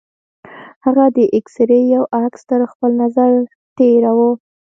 هغه د اکسرې يو عکس تر خپل نظره تېراوه.